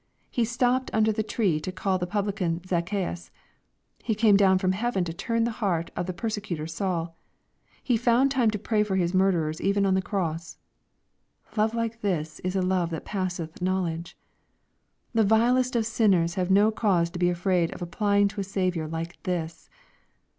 He stopped under the tree to call the publican Zacchaaus. He came down from heaven to turn the heart of the persecutor Saul. He found time to pray for His murderers even on the cross. Love like this is a love that passeth knowledge. The vilest of sin ners have no cause to be afraid of applying to a Saviour like this.